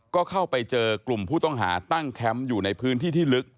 ก็เข้าไปเจอกลุ่มผู้ต้องหาตั้งแคมป์อยู่ในพื้นที่ที่ลึก